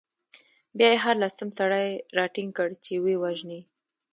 بیا يې هر لسم سړی راټینګ کړ، چې ویې وژني.